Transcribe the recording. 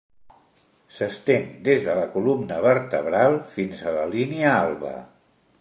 S'estén des de la columna vertebral fins a la línia alba.